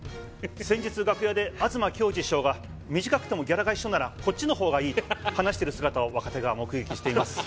先日楽屋で東京二師匠が「短くてもギャラが一緒ならこっちの方がいい」と話してる姿を若手が目撃しています。